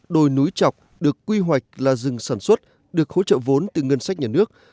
đồi núi chọc được quy hoạch là rừng sản xuất được hỗ trợ vốn từ ngân sách nhà nước